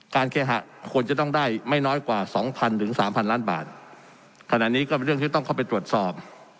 เคหะควรจะต้องได้ไม่น้อยกว่าสองพันถึงสามพันล้านบาทขณะนี้ก็เป็นเรื่องที่ต้องเข้าไปตรวจสอบ